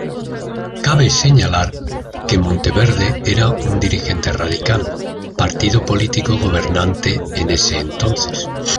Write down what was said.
Cabe señalar que Monteverde era un dirigente radical, partido político gobernante en ese entonces.